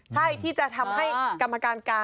ใช่ที่จะทำให้กรรมการการ